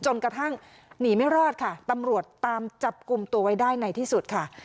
จนกระทั่งหนีไม่รอดค่ะตำรวจตามจับกลุ่มตัวไว้ได้ในที่สุดค่ะ